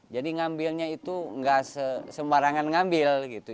jadi ngambilnya itu gak sembarangan ngambil gitu